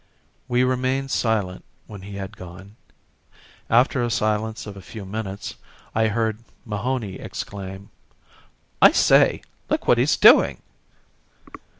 We remained silent when he had gone. After a silence of a few minutes I heard Mahony exclaim: "I say! Look what he's doing!"